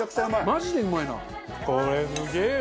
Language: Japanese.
マジでうまいな。